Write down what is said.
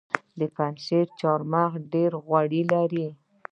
د پنجشیر چهارمغز ډیر غوړ لري.